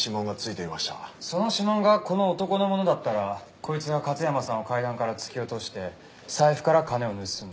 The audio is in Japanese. その指紋がこの男のものだったらこいつが勝山さんを階段から突き落として財布から金を盗んだ。